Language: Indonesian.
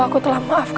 aku akan menang